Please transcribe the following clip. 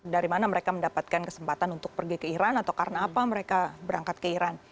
dari mana mereka mendapatkan kesempatan untuk pergi ke iran atau karena apa mereka berangkat ke iran